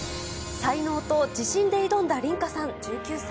才能と自信で挑んだリンカさん１９歳。